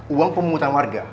uang pemutang warga